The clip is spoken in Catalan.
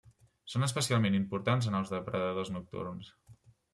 Són especialment importants en els depredadors nocturns.